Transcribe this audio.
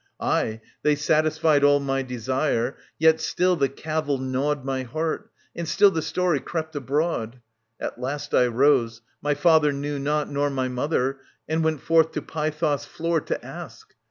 ... Aye, they satisfied All my desire ; yet still the cavil gnawed My heart, and still the story crept abroad. At last I rose — my father knew not, nor My mother — and went forth to Pytho's floor To ask.